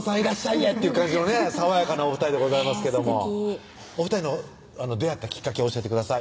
へっていう感じのね爽やかなお２人でございますけどもお２人の出会ったきっかけを教えてください